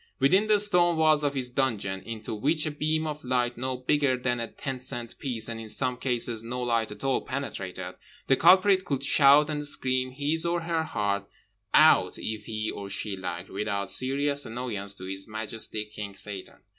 Within the stone walls of his dungeon (into which a beam of light no bigger than a ten cent piece, and in some cases no light at all, penetrated) the culprit could shout and scream his or her heart out if he or she liked, without serious annoyance to His Majesty King Satan.